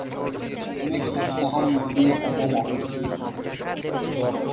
অনেকক্ষণ তাহার মুখ দিয়া কথা বাহির হইল না।